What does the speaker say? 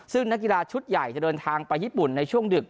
ซึ่งนักกีฬาชุดใหญ่จะเดินทางไปญี่ปุ่นในช่วงดึก